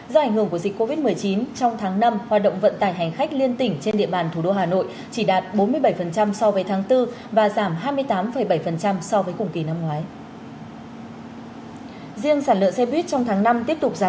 do ảnh hưởng của dịch covid một mươi chín trong tháng năm hoạt động vận tải hành khách liên tỉnh trên địa bàn thủ đô hà nội chỉ đạt bốn mươi bảy so với tháng bốn và giảm hai mươi tám bảy so với cùng kỳ năm ngoái